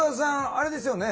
あれですよね？